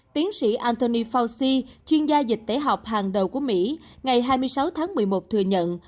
tiến sĩ antony fauci chuyên gia dịch tễ học hàng đầu của mỹ ngày hai mươi sáu tháng một mươi một thừa nhận